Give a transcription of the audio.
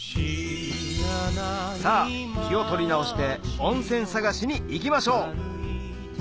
さぁ気を取り直して温泉探しに行きましょう！